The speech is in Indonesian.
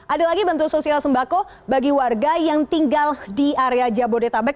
ada lagi bentuk sosial sembako bagi warga yang tinggal di area jabodetabek